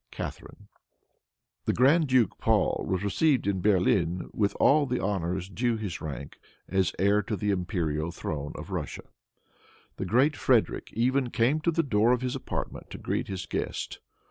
"Catharine." The Grand Duke Paul was received in Berlin with all the honors due his rank as heir to the imperial throne of Russia. The great Frederic even came to the door of his apartment to greet his guest.